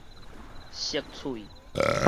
熟喙